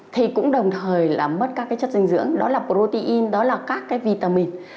thì cũng đồng thời là mất các chất dinh dưỡng đó là protein đó là các vitamin